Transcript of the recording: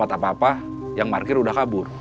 belum sempat apa apa yang markir udah kabur